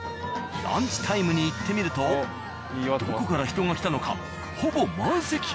ランチタイムに行ってみるとどこから人が来たのかほぼ満席。